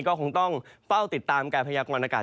ก็คงต้องเฝ้าติดตามการพยากรณากาศ